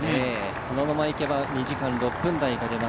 このままいけば２時間６分台が出ます。